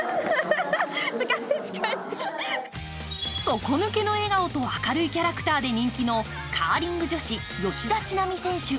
底抜けの笑顔と明るいキャラクターで人気のカーリング女子、吉田知那美選手。